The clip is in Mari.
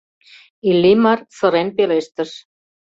— Иллимар сырен пелештыш.